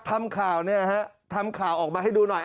ทำข่าวเนี่ยฮะทำข่าวออกมาให้ดูหน่อย